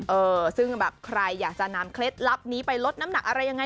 เออซึ่งแบบใครอยากจะนำเคล็ดลับนี้ไปลดน้ำหนักอะไรยังไง